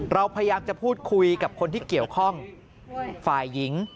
เราพยายามจะพูดคุยกับคนที่เกี่ยวข้องฝ่ายหญิง